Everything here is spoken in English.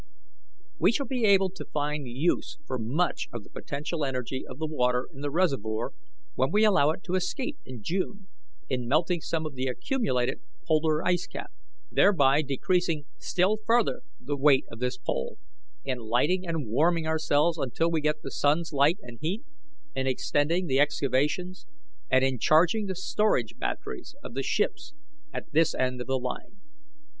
"'We shall be able to find use for much of the potential energy of the water in the reservoir when we allow it to escape in June, in melting some of the accumulated polar ice cap, thereby decreasing still further the weight of this pole, in lighting and warming ourselves until we get the sun's light and heat, in extending the excavations, and in charging the storage batteries of the ships at this end of the line.